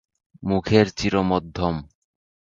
মুখের চির মধ্যম।